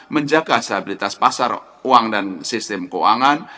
menjaga stabilitas pasar uang dan sistem keuangan